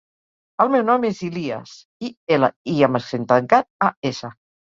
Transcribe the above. El meu nom és Ilías: i, ela, i amb accent tancat, a, essa.